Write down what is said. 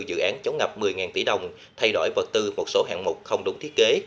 dự án chống ngập một mươi tỷ đồng thay đổi vật tư một số hạng mục không đúng thiết kế